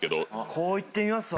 こういってみますわ。